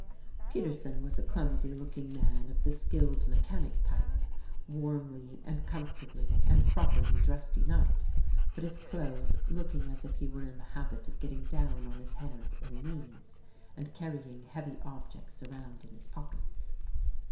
Peterson was a clumsy looking man of the "skilled mechanic" type; warmly and comfortably and properly dressed enough, but his clothes looking as if he were in the habit of getting down on his hands and knees and carrying heavy objects around in his pockets.